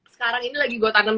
sekarang ini lagi gue tanem